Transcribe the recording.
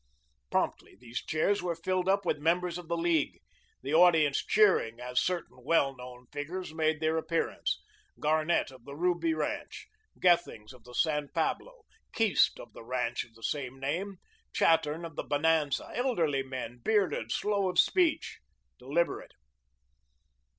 Promptly these chairs were filled up with members of the League, the audience cheering as certain well known figures made their appearance Garnett of the Ruby ranch, Gethings of the San Pablo, Keast of the ranch of the same name, Chattern of the Bonanza, elderly men, bearded, slow of speech, deliberate.